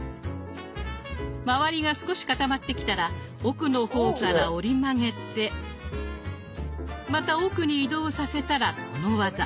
周りが少し固まってきたら奥の方から折り曲げてまた奥に移動させたらこの技。